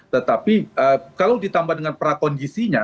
tetapi kalau ditambah dengan prakondisinya